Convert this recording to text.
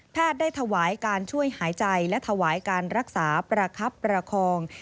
ได้ถวายการช่วยหายใจและถวายการรักษาประคับประคอง